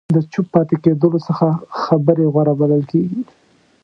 د چوپ پاتې کېدلو څخه خبرې غوره بلل کېږي.